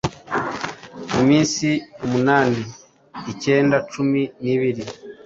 minsi umunani, ikenda, cumi n’ibiri…